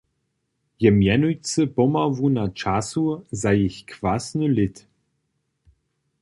Je mjenujcy pomału na času za jich kwasny lět.